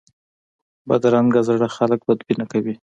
بدرنګه زړه خلک بدبینه کوي